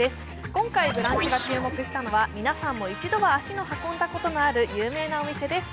今回「ブランチ」が注目したのは、皆さんが一度は足を運んだことのある有名なお店です。